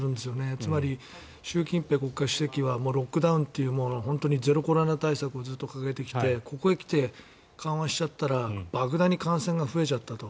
つまり、習近平国家主席はロックダウンという本当にゼロコロナ対策をずっと掲げてきてここへ来て緩和しちゃったらばく大に感染が増えちゃったと。